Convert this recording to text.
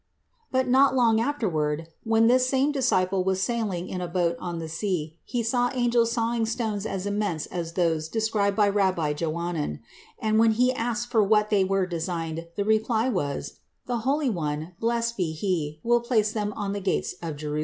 But not long afterward, when this same disciple was sailing in a boat on the sea, he saw angels sawing stones as immense as those described by Rabbi Johanan, and when he asked for what they were designed, the reply was, "The Holy One, blessed be He, will place them on the gates of Jerusalem."